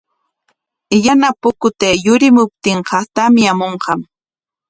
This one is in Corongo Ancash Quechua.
Yana pukutay yurimuptinqa tamyamunqam.